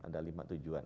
ada lima tujuan